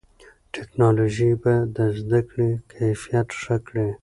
ټیکنالوژي به د زده کړې کیفیت ښه کړي.